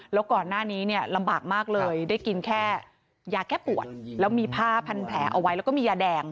แล้วก่อนหน้านี้เนี่ยลำบากมากเลยได้กินแค่ยาแก้ปวดแล้วมีผ้าพันแผลเอาไว้แล้วก็มียาแดง